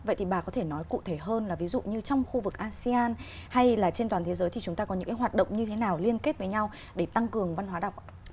vậy thì bà có thể nói cụ thể hơn là ví dụ như trong khu vực asean hay là trên toàn thế giới thì chúng ta có những cái hoạt động như thế nào liên kết với nhau để tăng cường văn hóa đọc ạ